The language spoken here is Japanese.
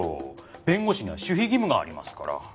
弁護士には守秘義務がありますから。